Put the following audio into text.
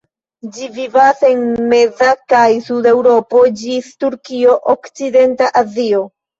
Ĝi vivas en meza kaj suda Eŭropo ĝis Turkio, okcidenta Azio.